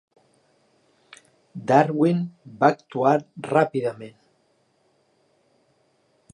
Darwin va actuar ràpidament.